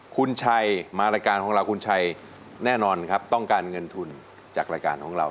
คุณชัยมารายการของเราคุณชัยแน่นอนครับต้องการเงินทุนจากรายการของเรา